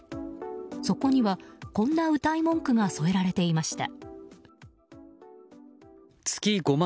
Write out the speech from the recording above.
そこには、こんなうたい文句が添えられていました。